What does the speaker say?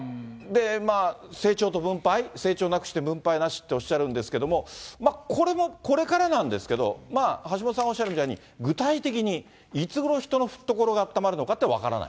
成長と分配、成長なくして分配なしっておっしゃるんですけれども、これもこれからなんですけど、橋下さんおっしゃるみたいに、具体的に、いつごろ人の懐があったまるのかというところは分からない